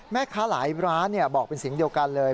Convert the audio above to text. แม่ค้าหลายร้านบอกเป็นเสียงเดียวกันเลย